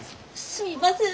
すみません。